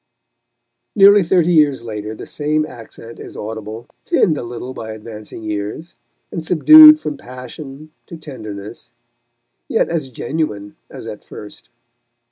Nearly thirty years later the same accent is audible, thinned a little by advancing years, and subdued from passion to tenderness, yet as genuine as at first.